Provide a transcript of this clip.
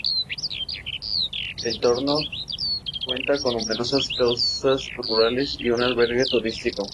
El Torno cuenta con numerosas casas rurales y un albergue turístico.